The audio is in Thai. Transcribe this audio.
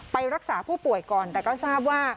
ไปรักษาผู้ป่วยก่อนแต่ก็ทราบว่า